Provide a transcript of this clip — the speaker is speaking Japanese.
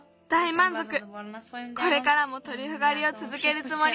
これからもトリュフがりをつづけるつもり。